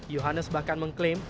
johannes bahkan mengklaim